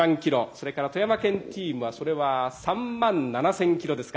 それから富山県チームはそれは３万７，０００キロですか。